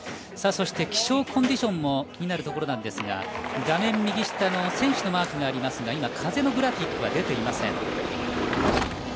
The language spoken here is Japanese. そして気象コンディションも気になるところなんですが画面右下の選手のマークがありますが今、風のグラフィックが出ていません。